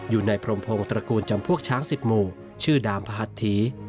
อยู่ในพรมพงศ์ตระกูลจำพวกช้าง๑๐หมู่ชื่อดามพระหัตถี